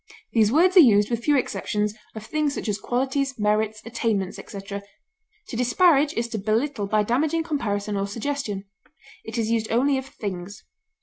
These words are used, with few exceptions, of things such as qualities, merits, attainments, etc. To disparage is to belittle by damaging comparison or suggestion; it is used only of things.